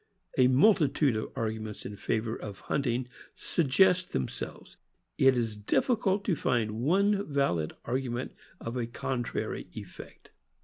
A mul titude of arguments in favor of hunting suggest them selves; it is difficult to find one valid argument of a contrary effect.